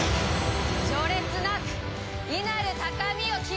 序列なく異なる高みを極めし英傑！